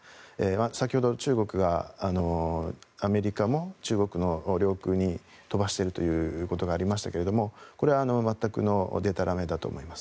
先ほど中国がアメリカも中国の領空に飛ばしているということがありましたけれどもこれは全くのでたらめだと思います。